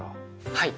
はい！